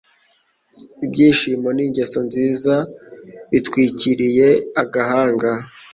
Ibyishimo n'ingeso nziza bitwikiriye agahanga